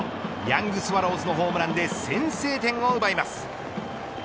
ヤングスワローズのホームランで先制点を奪います。